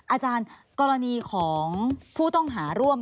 อาจารย์กรณีของผู้ต้องหาร่วม